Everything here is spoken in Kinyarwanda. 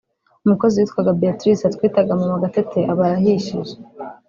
umukozi witwaga Béatrice twitaga Maman Gatete aba arahishije